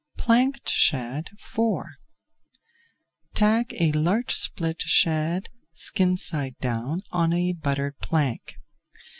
PLANKED SHAD IV Tack a large split shad skin side down on a buttered plank.